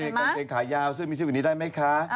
มีกางเกณฑ์ขายาวซึ่งมีชื่ออย่างนี้ได้ไหมคะ